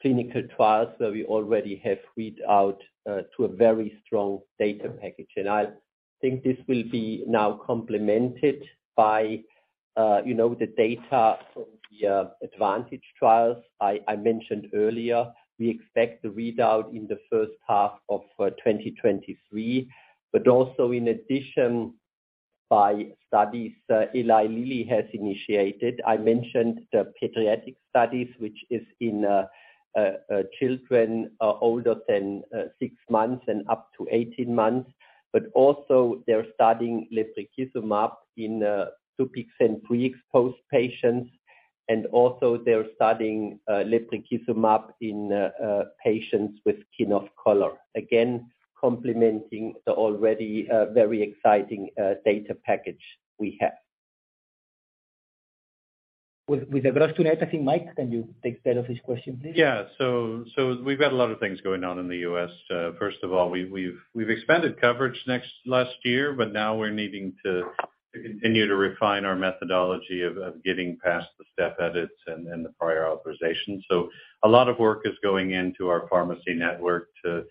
clinical trials where we already have read out to a very strong data package. I think this will be now complemented by, you know, the data from the ADvantage trials I mentioned earlier. We expect the readout in the first half of 2023, but also in addition by studies Eli Lilly has initiated. I mentioned the pediatric studies, which is in children older than six months and up to 18 months. They're studying lebrikizumab in two peaks and pre-exposed patients. They're studying lebrikizumab in patients with skin of color. Again, complementing the already very exciting data package we have. With Aggress Tuner, I think, Mike, can you take care of this question, please? We've got a lot of things going on in the U.S. first of all, we've expanded coverage next last year, but now we're needing to continue to refine our methodology of getting past the step edits and the prior authorization. A lot of work is going into our pharmacy network to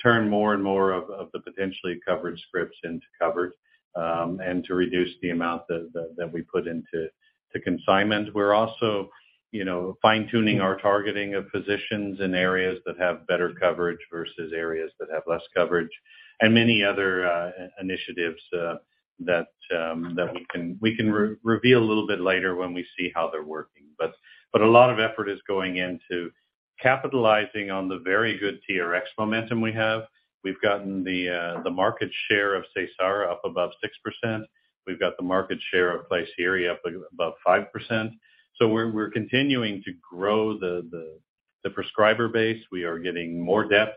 turn more and more of the potentially covered scripts into covered and to reduce the amount that we put into consignment. We're also, you know, fine-tuning our targeting of physicians in areas that have better coverage versus areas that have less coverage and many other initiatives that we can re-reveal a little bit later when we see how they're working. A lot of effort is going into capitalizing on the very good TRx momentum we have. We've gotten the market share of Seysara up above 6%. We've got the market share of Klisyri up, about 5%. We're continuing to grow the prescriber base. We are getting more depth,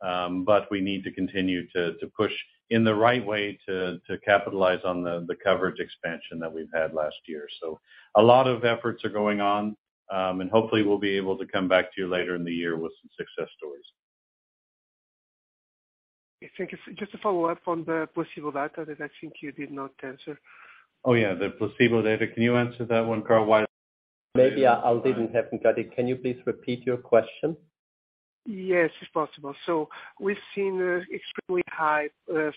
but we need to continue to push in the right way to capitalize on the coverage expansion that we've had last year. A lot of efforts are going on, and hopefully we'll be able to come back to you later in the year with some success stories. I think it's just a follow-up on the placebo data that I think you did not answer. Oh, yeah, the placebo data. Can you answer that one, Karl? Maybe I didn't have it. Can you please repeat your question? Yes, it's possible. We've seen extremely high,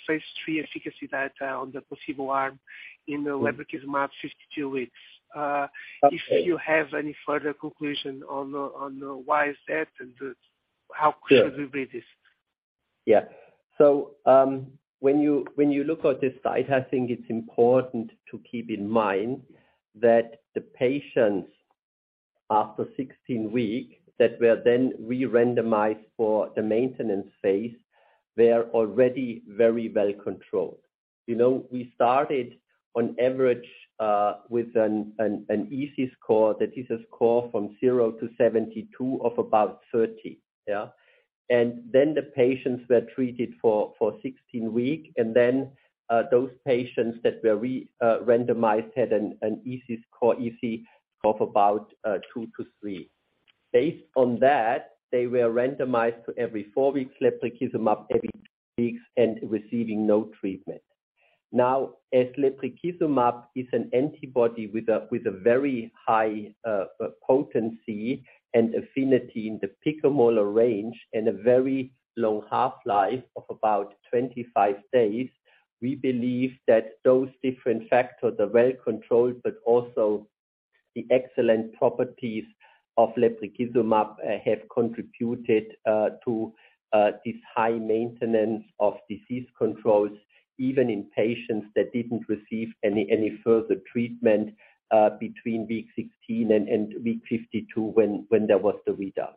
phase III efficacy data on the placebo arm in the lebrikizumab 52 weeks. Okay. If you have any further conclusion on the why is that and the, how could you read this? Yeah. When you look at this data, I think it's important to keep in mind that the patients after 16 weeks, that were then re-randomized for the maintenance phase, they are already very well controlled. You know, we started on average with an EASI score. That is a score from 0 to 72 of about 30. Yeah. The patients were treated for 16 weeks, those patients that were re-randomized had an EASI score of about two to three. Based on that, they were randomized to every four weeks lebrikizumab every two weeks and receiving no treatment. As lebrikizumab is an antibody with a very high potency and affinity in the picomolar range and a very low half-life of about 25 days, we believe that those different factors are well controlled, but also the excellent properties of lebrikizumab have contributed to this high maintenance of disease controls, even in patients that didn't receive any further treatment between week 16 and week 52 when there was the readout.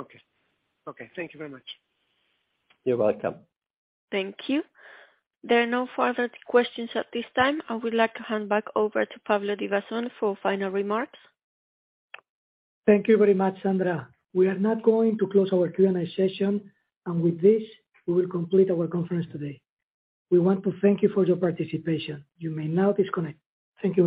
Okay. Okay, thank you very much. You're welcome. Thank you. There are no further questions at this time. I would like to hand back over to Pablo Divasson for final remarks. Thank you very much, Sandra. We are now going to close our Q&A session. With this we will complete our conference today. We want to thank you for your participation. You may now disconnect. Thank you very much.